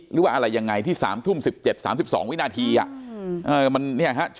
หรือว่าอะไรยังไงที่สามทุ่มสิบเจ็ดสามสิบสองวินาทีอ่ะอือมันเนี้ยฮะ